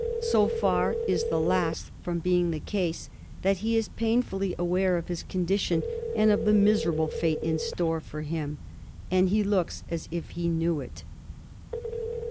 So far is the last from being the case, that he is painfully aware of his condition and of the miserable fate in store for him ; and he looks as if he knew it.